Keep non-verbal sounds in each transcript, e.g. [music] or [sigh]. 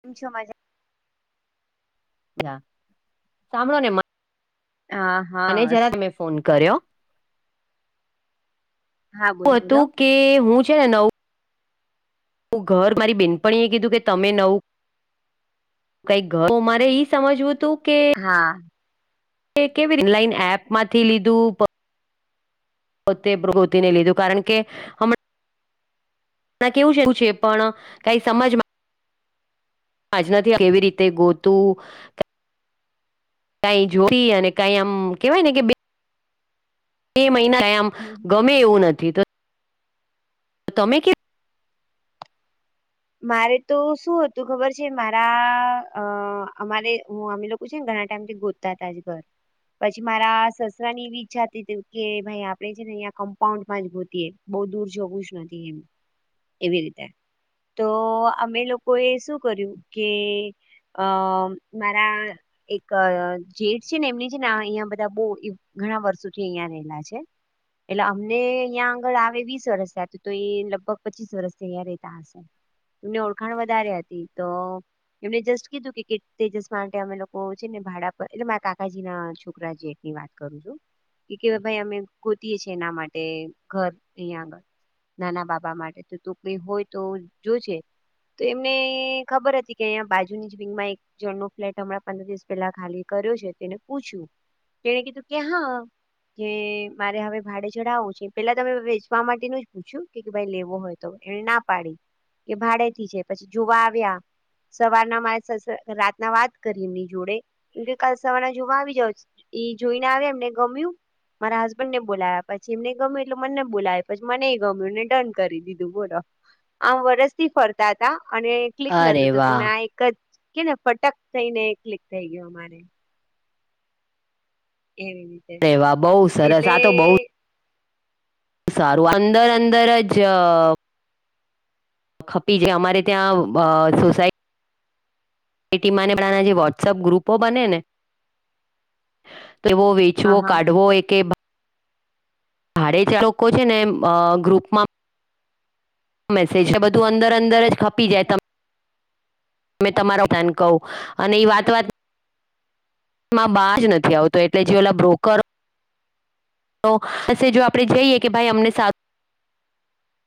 કેમ છો મજા માં હા સાંભળો ને હા મને હા જરા તમે ફોન કર્યો હા બોલો એવું બોલો હતું કે હું છે ને નવું નવું ઘર મારી બેનપણીએ કીધું કે તમે નવું કઈક ઘર મારે ઈ સમજવું હતું હા મે કેવીનલાઇન એપમાંથી લીધું પ પોતે પ્રગૃતિને લીધું કારણ કે હમણાં ણા કેવું છે એવું છે પણ કઈ સજમાં આજનાથી કેવી રીતે ગોતું કઈ જોતી અને કઈ આમ કેવાય ને કે. બે મહિના આમ હમ ગમે હમ એવું નથી તો. તો તમે કેવી. મારે તો શું હતું ખબર છે મારા અ અમારે હું અમે લોકો છે ને. ના ટાઈમથી ગોતા તજ ઘર. પછી મારા સસરા ની એવી ઈચ્છા હતી કે ભાઈ આપડે છે ને અ કમ્પાઉન્ડમાં જ ગોતી. બહ દૂર છકુશ નથી એમ એવી રીતે. તો અમે લોકો એ શું કર્યું કે. અ મારા એક જેઠ છે ને એમની છે ને અહિયાં બધા બ. ઘણા વર્ષોથી અહિયાં રહેલા છે. એટલે અમને અહં આગળ આવે વીસ વર્ષ હતું તો એ લગભગ પચીસ વર્ષથી અહિયાયા રેતા હશે. તની ઓળખાણ વધારે હતી તો. એમને જસ્ટ કીધું કે કે તેજસ માટે અમે લોકો છે ને ભાડા પર એટલે મારા કાકાજી ના છોકરા છે. વાત કરું છું ભાઈ અમે ગોતીએ છીએ એના માટે ઘર અહં આગળ. નાના બાબા માટે તો તું કઈ હોય તો જોજ. તો એમને ખબર હતી કે અહીયા બાજુની જ વિંગમાં એક જણ ન ફ્લેટ હમણાં પંદર દિવસ પહેલા ખાલી. કર છે તેને પૂછ્યું તેને કીધું ક્યા. કે મારે હવે ભાડે ચડાવો છે પેલા તમે વેચવા માટેનું જ પૂછ્યું કે ભાઈ લેવો હોય તો. એને ના પાડી એ ભાડેથી છે પછી જોવા આવ્યા. સવારના મારે રાતના વાત કરી એમની જોડે કેમકે કાલ સવારના જોવા આવી જાવ. ઈ જોઈને આવે એમને ગમ્યું. મારા હસબન્ડ ને બોલાવ્યા પછી એમને ગમ્યું એટલે મને બોલાવ પછી મને ગમ્યું ને ડન કરી દીધું બોલો. [inaudible] આમ વરસથી ફરતા હતા અને ક્લિક નતું અરે વાહ થતુંને આ એક જ. કે ને ફટક થઈ ને ક્લિક થઈ ગયો અમારે. એવી રીતે અરે વાહ બહુ સરસ એટલે. આ તો બહુ સારું અંદર અંદર જ. ખપી જે અમારે ત્યાં સોસાયટી. એ ટીમાંને જે વોટ્સપ ગ્રુપો બને ને. એવો હા વેચવો હા. કાઢવો એ કે. ભાડે ચાર લોકો છે ને ગ્રુપમાં. મેસેજ બધું અંદર અંદર જ ખપી જાય ત. તમે તમારો પ્લાન કહું અને એ વાત વાત. માં બાજ નથી આવતો એટલે જે ઓલા બ્રોકર. તો જો આપણે જઈએ કે ભાઈ અમને સાારું.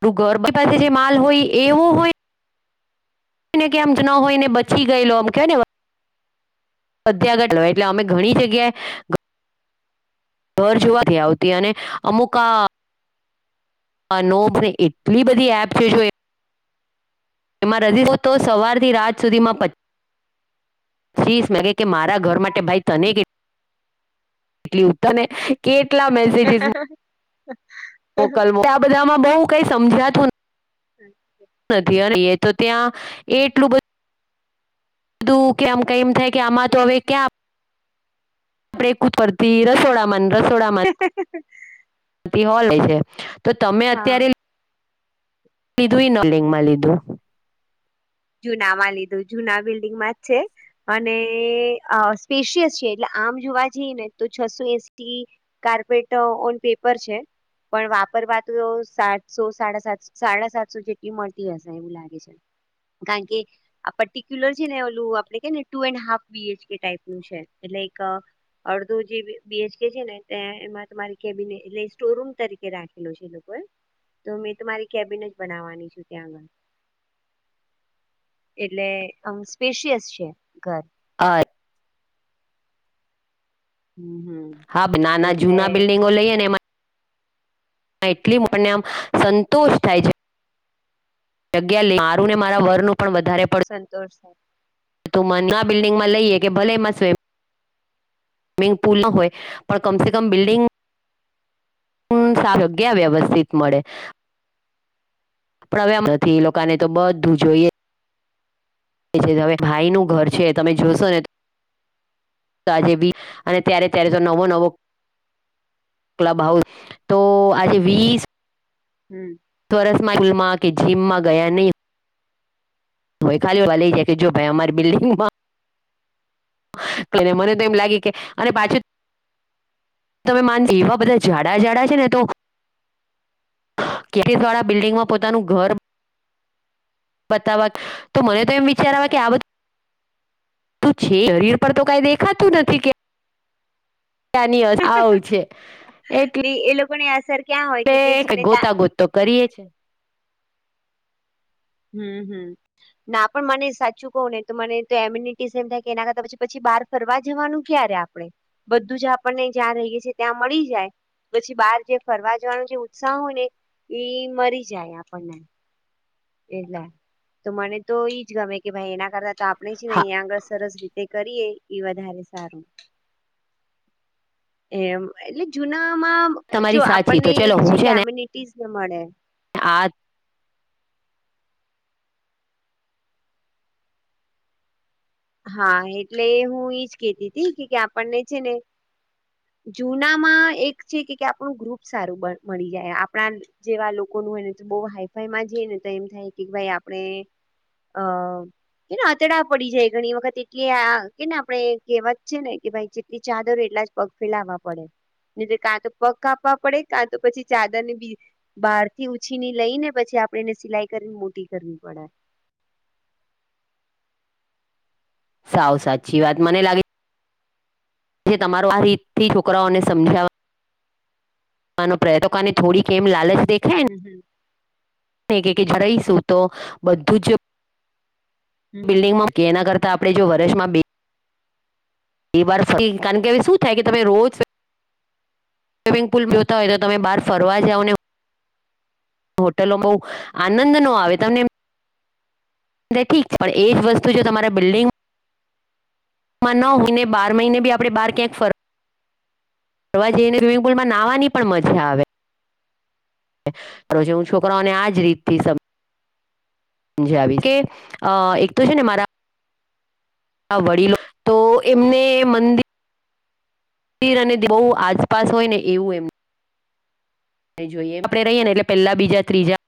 ગરું ગરબી પાસે જે માલ હોય એવો હોય. ને કે આમ જ ન હોય ને બચી ગયેલો આમ કે ને. અધ્યાગત લય એટલે અમે ઘણી જગ્યાએ. ઘર જોવાથી આવતી અને અમુક આ. આ નો મને એટલી બધી એપ છે જો એ જેમાં રજી હો તો સવારથી રાત સુધીમાં પચ. શીસ મગે કે મારા ઘર માટે ભાઈ તને કે. કેટલી ઉત્તરને કેટલા મેસેજિસ. વકલ આ બધામાં બહ કઈ સમજાતું નથી અ. તો ત્યાં એ એટલું બધું. કધું કે આમ કમ થાય કે આમાં તો હવે ક્યાં. આપણેે કૂદ કરતી રસોડામાં રસોડામાં હોલે છે. તો તમે અત્યારે. હા. લ દુંઈ ન લિંગમાં લ દું. જૂના માં લીધું જુના બિલ્ડિંગમાં જ છે અને સ્પેશિયસ છે એટલે. આમ જોવા જઈએ ને તો છસો એસટી કાર્પેટ ઓન પેપર છે. પણ વાપરવા તો સાતસો સાડા સાત સાડા સાતસો જેટલી મળતી હશે એવું લાગે છે. કારણ કે આ પર્ટિક્યુલર છે ને ઓલું આપડે કેને two and half B H K type નું છે, એટલે કા અડધો જે બી બી એચ કે છે ને, તે એમાં તો મારી કેબિને એટલે સ્ટોર રૂમ તરીકે રાખેલો છે એ લોકો [inaudible] તો મેં તો મારી કેબિન જ બનાવાની છું ત્યાં આગળ. એટલે આમ સ્પેશિયસ છે ઘર. [unintelligible] હમ હમ હાબ નાના એટલે જૂના બિલ્ડિંગો લઈએ ને એમા એટલી મને આમ સંતોષ થાય છે. જગ્યા લે મારું ને મારા વરનું પણ વધારે પડ ઓ. તું મનના બિલ્ડિંગમાં લઈએ કે ભલે એમાં સ્વિમ સ્મિંગપુલ ન હોય પણ કમસે કમ બિલ્ડિંગ હમ્મ સારુ ક્યાં વ્યવસ્થિત મળે. પણ હવે આમ નથી લોકોને તો બધું જોઈએ. હવે ભાઈનું ઘર છે તમે જોશોને આજે બી અને ત્યારે ત્યારે તો નવો નવો ક્લબ હાઉસ તો આજે વીસ હમ્મ. વરસમાં જોયું કે જીમમાં ગયા નહીં બાઈ ખાલી [unintelligible] લઈ જાય કે જો ભાઈ અમારી બિલ્ડિંગમાં કઈને મને તો એમ લાગે કે અને પાછું તમે માન જીવો એવા બધા જાડા જાાડા છે ને તો કેરીસવાળા બિલ્ડિંગમાં પોતાનું ઘર બતાવા તો મને તો એમ વિચારવા કે આ બધુ શું છે શરીર પર તો કઈ દેખાતું નથી કે તાનિયસ આવુ છે એટલે કોઈની અસર ક્યાં હોય તે કે કે કઇ છે ને ત્યાં ગોતા ગોત તો કરીએ છે. હમ્મ હમ્મ ના પણ મને સાચું કહુ ને તો મને તો એમ્યુનિટી સેમ થાય કે એના કરતા પછી પછી બહાર ફરવા જવાનું ક્યારે આપણે? બધું જ આપણને જ્યાં રહીએ છીએ ત્યાં મળી જાય. પછી બહાર જે ફરવા જવાનો જે ઉત્સાહ હોય ને એ મરી જાય આપણને. એટલે તો મને તો ઈજ ગમે કે ભાઈ એના કરત તો આપણે છે ને હા અહીંયા આગળ સરસ રીતે કરીએ. એ વધારે સારું એમ એટલે જૂના આમા જો તમારી સાચી આપણને તો ચલો એક હું છે કે ને એમ્યુનિટી મળે. આ હા એટલે હું ઇજ કેતી હતી કે આપણને છે ને જુનામાં એક છે કે આપણું ગ્રુપ સારું મ મળી જાય આપણા જેવા લોકો હોયને તો બહુ હાઈફાઈ માં જને તો એમ થાય કે ભાઈ આપણે હ એને આતેડા પડી જાય. ઘણી વખત એટલી આ કેને આપણે કહેવાત છે ને કે ભાઈ જેટલી ચાદર એટલા જ પગ ફેલાવા પડે. એટલે કાં તો પગ આપવા પડે કાં તો પછી ચાદર ને બી બહાર થી ઉછી ને લઈ ને પછી આપણેેને સિલાઈ કરીને મોટી કરવી પડે. [inaudible] સાવ સાચી વાત મને લાગે જે તમારો આ રીતથી છોકરાઓને સમજાવા આનો પ્રય તો કાને થોડીક એમ લાલચ દેખાય હમ હમ ને કે જરાય સુતો બધુંજ [inaudible] હમ હમ. બિલ્ડિંગ મોટી એના કારણ તા આપણે જો વર્ષમાં બે એ વર્ષથી કારણ કેવે શું થાય કે તમે રોજ સ્વિમિંગ પુલ જોતા હોય તો તમે બહાર ફરવા જાઓ ને હોટેલો બહુ આનંદ નો આવે તમને ઠીક પણ એ જ વસ્તુ જો તમારા બિલ્ડિંગ મા નો હોઈને બાર મહિને બી આપણે બહાર ક્યાંક ફર વા જઈને સ્વિમિંગ પુલમા નાવાની પણ મજા આવે. રોજી હું છોકરાઓને આજ રીત થી સમ જાવીસ કે એક તો છે ને મારા વડીલો તો એમને મંદિર ર અને બહુ આસપાસ હોય ને એવું એમ જોઈએ આપણે રહીએ ને એટલે પહેલા બીજા ત્રીજા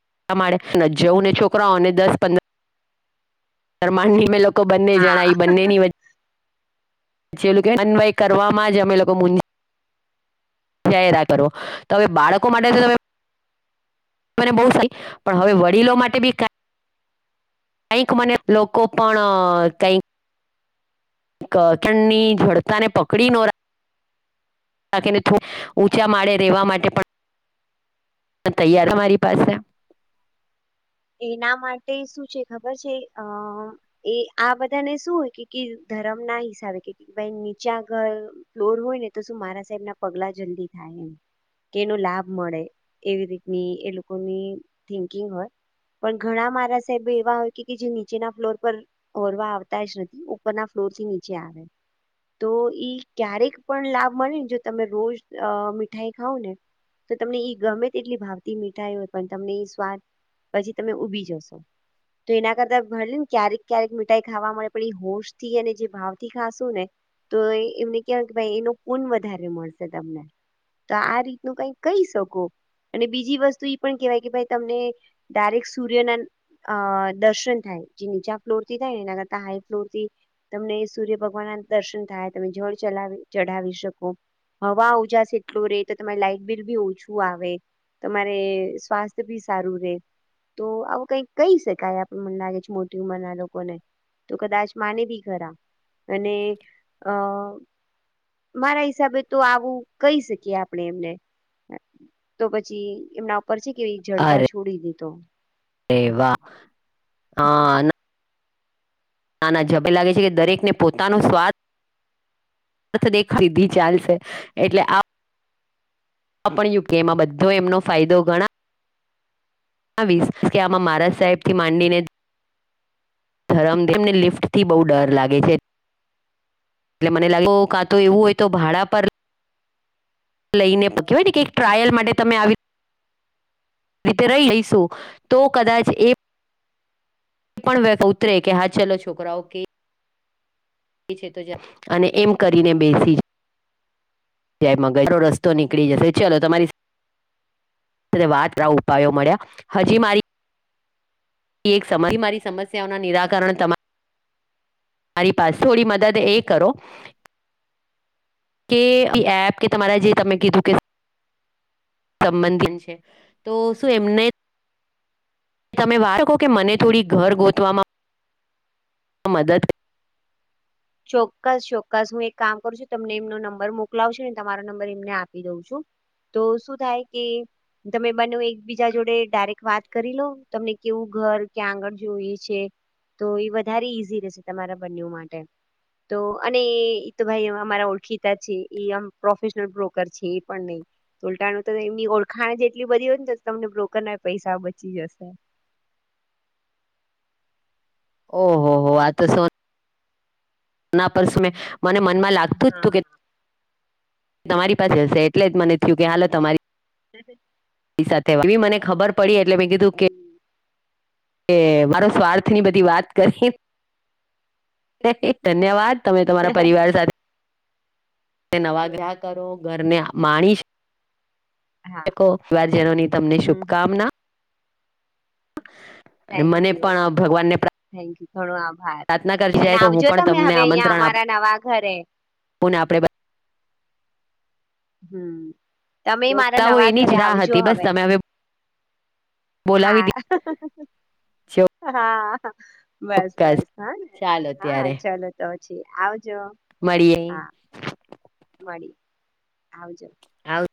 [unintelligible] જા માળે જવું ને છોકરાઓને દસ પંદર માળે મે કો બંને જણાય હા બંનેની વ ચે ઓલુ કેવાય ન અન્વય કરવામાં જ અમે લોકો મુંજ જાયરા કરો તો હવે બાળકો માટે તો તમે મને બહ સારી પણ હવે વડીલો માટે બી કાઈ કંઈક મને લોકો પણ કંઈક ક ઠંડી જડતાને પકડી ન રાખ ખેને ઊંચા માળે રહેવા માટે પણ તૈયાર મારી પાસે એના માટે શું છે ખબર છે અ એ આ બધાને શું હોય કે ધ રમ ના હિસાબે નીચા ઘર ફ્લોર હોય ને તો શું મારા સાહેબ ના પગલા જલ્દી થાય એમ. કેનો લાભ મળે એવી રીતની એ લોકોની થિંકિંગ હોય. પણ ઘણા મારા સાહેબો એવા હોય કે જે નીચેના ફ્લોર પર ઓરવા આવતા જ નથી ઉપરના ફ્લોર થી નીચે આવે. તો ઈ ક્યારેક પણ લાભ મળને ને જો તમે રોજ મીઠાઈ ખાવ ને તો તમને ઈ ગમે તેટલી ભાવતી મીઠાઈ હોય પણ તમને એ સ્વાદ પછી તમે ઉભી જશો. તો એના કરતા ભલે ને ક્યારેક ક્યારેક મીઠાઈ ખાવા મળે પણ હોશ થી અને જે ભાવ થી ખાશું ને તો એમને કેવાય ભાઈ એનો પુન વધારે મળશે તમને તો આ રીતનું કઈક કહી શકો અને બીજી વસ્તુ એ પણ કેહેવાય કે ભાઈ તમને તારેક સૂર્યના અ દર્શન થાય જે નીચા ફ્લોર થી થાયને એના કરતા હાઈ ફ્લોર થી તમને સૂર્ય ભગવાન દર્શન થાય તમે જળ ચલા ચઢાવી શકો હવા ઉજશે એટલું રે તો તમારી લાઈટ બિલ બી ઓછું આવે. તમારે સ્વાસ્થ્ય ભી સારું રે. તો આવું કઈ કહી શકાય આપડ મને લાગે છે મોટી ઉંમર ના લોકોને. તો કદાચ માને બી ખરા અને અ મારા હિસાબે તો આવું કહી શકીએ આપણે એમને તો પછી એમના ઉપર છે કેવી જડતા છોડી દીધો. એવા હા નાના ઝબે લાગે છે કે દરેકને પોતાનો સ્વાદ ર્થ દેખીધી ચાલશે એટલે આ પણ યુકેમાં બધો એમનો ફાયદો ઘણા વીશ કે આમા મહારાજ સાહેબથી માંડીને ધરમદેને લિફ્ટથી બહુ ડર લાગે છે. એટલે મને લાગે કાં તો એવું હોય તો ભાડા પર લઈને પ કેવાય ને કે એક ટ્રાયલ માટે તમે આવી રીતે રઈ લઈશુ તો કદાચ એ [unintelligible] એ પણ વે ઉતરે કે હા ચલો છોકરાઓ કે [unintelligible] છે તો છે અને એમ કરીને બેસી જ મગજનો રસ્તો નીકળી જશે ચાલો તમારી વાત ઉપાયો મળ્યા હજી મારી એક સમ મારી સમસ્યાઓના નિરાકરણ તમા તમારી પાસે થોડી મદદ એ કરો કે એપ કે તમારે જે તમે કીધું કે સંબંધ પણ છે તો શું એમને તમે વાચકો કે મને થોડી ઘર ગોતવામાં [unintelligible] આ મદદ ચોક્કસ ચોક્કસ હું એક કામ કરું છું તમને એમનો નંબર મોકલાવુછું ને તમારો નંબર એમને આપી દઉં છું. તો શું થાય કે તમે બને એકબીજા જોડે ડાયરેક્ટ વાત કરી લો તમને કેવું ઘર ક્યાં આગળ જોઈ છે. તો એ વધારે ઈઝી રહેશે તમારા બંને માટે હ [unintelligible] તો અને એ તો ભાઈ અમારા ઓળખીતા છે એમ પ્રોફેશનલ બ્રોકર છે એ પણ નહી ઉલટાનું તો એમની ઓળખાણ જેટલી બધી હોય ને તો તમને બ્રોકર ના પૈસા બચી જશે. [unintelligible] ઓહો હો આ તો સો આના પરમે મને મનમાં લાગતું જ હા. તું કે તમારી પાસે હશે એટલે જ મને થયું કે હાલત અમારી એ [unintelligible] એ સાથે મને ખબર પડી એટલે મેં કીધું કે હમ કે મારો સ્વાર્થ ની બધી વાત કરી [unintelligible] એક ધન્યવાદ તમે તમારા પરિવાર સાથે તે થેન્ક નવા યુ ગ્રાહકરો ઘરને માણીશ હા, [unintelligible] વારજનોની તમને હમ શુભકામના અને થેન્ક મને યુ પણ ભગવાન ને પ્રા થેન્ક યુ થોડો આભાર અને તો હું આવજો પણ તમે હવે અહિયાં અમારા નવા ઘરે. [unintelligible] પને આપણે- [unintelligible] હમ તમે મારા ચોકતાઓ નવા એની ઘરે જ રાહ હતી આવજો બસ હવે તમે બોલાવી હા [unintelligible] દી હા. બસ ચોક્કસ બસ હા ને ચાલો હા ત્યારે ચલો તો પછી આવ આવજો મળીએ હા ફળી આવજો. આવ